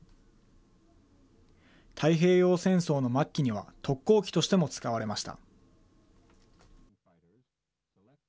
太平洋戦争の末期には特攻機としても使われました。